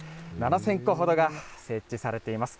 ７０００個ほどが設置されています。